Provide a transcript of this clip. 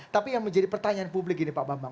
tapi yang menjadi pertanyaan publik ini pak bambang